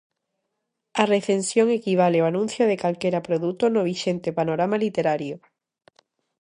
A recensión equivale ao anuncio de calquera produto no vixente panorama literario.